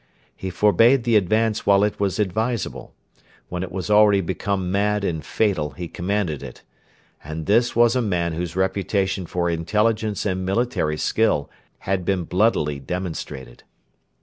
He forbade the advance while it was advisable. When it was already become mad and fatal he commanded it. And this was a man whose reputation for intelligence and military skill had been bloodily demonstrated!